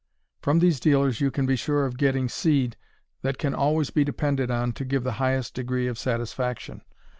From these dealers you can be sure of getting seed that can always be depended on to give the highest degree of satisfaction.